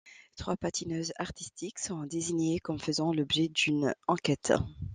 Trois patineuses artistiques sont désignées comme faisant l'objet d'une enquête.